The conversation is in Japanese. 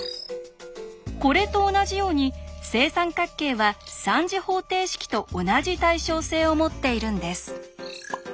これと同じように正三角形は３次方程式と同じ対称性を持っているんです。